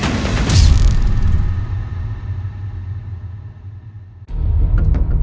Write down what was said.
ที่สุดท้ายที่สุดท้าย